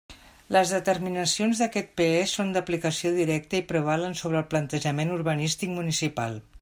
Les determinacions d'aquest PE són d'aplicació directa i prevalen sobre el planejament urbanístic municipal.